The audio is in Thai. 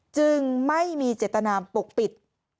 จึงไม่มีเจตนามปกปิด